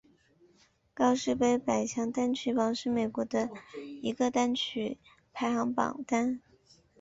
告示牌百强单曲榜是美国的一个单曲排行榜单。